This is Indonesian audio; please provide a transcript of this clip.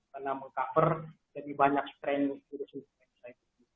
karena meng cover lebih banyak strain virus yang berbeda